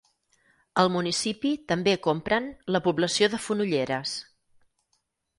El municipi també compren la població de Fonolleres.